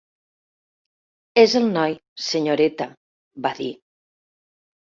"És el noi, senyoreta", va dir.